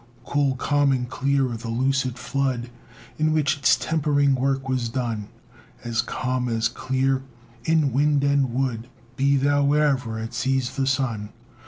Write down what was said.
Cool, calm, and clear the lucid flood In which its tempering work was done; As calm, as clear, in wind and wood, Be thou where'er it sees the sun!